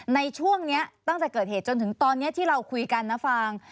ในช่วงนี้ตั้งแต่เกิดเหตุจนถึงตอนนี้ที่เราคุยกันนะฟาง